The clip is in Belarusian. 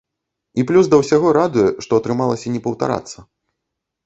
І плюс да ўсяго, радуе, што атрымалася не паўтарацца.